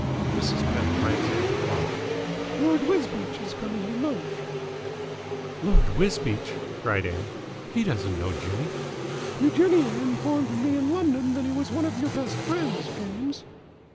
Mrs. Pett glanced at the clock. "Lord Wisbeach is coming to lunch." "Lord Wisbeach!" cried Ann. "He doesn't know Jimmy." "Eugenia informed me in London that he was one of your best friends, James."